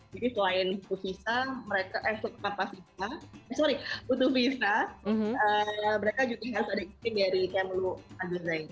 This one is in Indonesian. jadi selain putu visa mereka juga harus ada izin dari kmu al jazeera